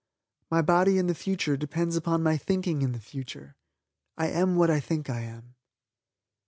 My body in the future depends upon my thinking in the future. I am what I think I am.